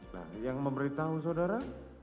nah yang memberitahu saudara